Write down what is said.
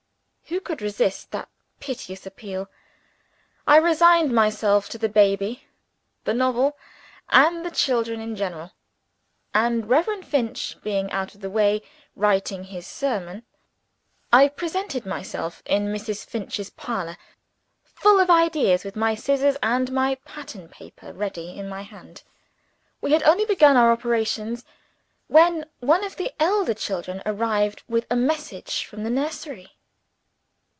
Who could resist that piteous appeal? I resigned myself to the baby, the novel, and the children in general; and (Reverend Finch being out of the way, writing his sermon) I presented myself in Mrs. Finch's parlor, full of ideas, with my scissors and my pattern paper ready in my hand. We had only begun our operations, when one of the elder children arrived with a message from the nursery.